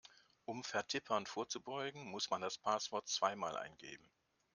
Um Vertippern vorzubeugen, muss man das Passwort zweimal eingeben.